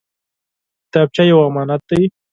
کتابچه یو امانت دی